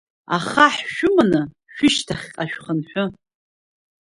Ахаҳә шәыманы шәышьҭахьҟа шәхынҳәы.